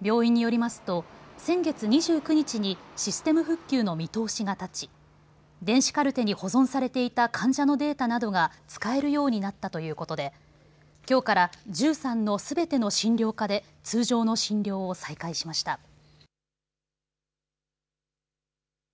病院によりますと先月２９日にシステム復旧の見通しが立ち、電子カルテに保存されていた患者のデータなどが使えるようになったということできょうから１３のすべての診療科で、通常の診療を再開しました。